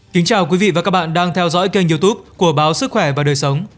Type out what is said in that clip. kính chào quý vị và các bạn đang theo dõi kênh youtube của báo sức khỏe và đời sống